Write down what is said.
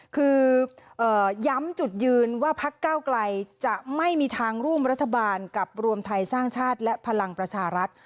คือย้ำจุดยืนว่าพักเก้าไกลจะไม่มีทางร่วมรัฐบาลกับรวมไทยสร้างชาติและพลังประชารัฐ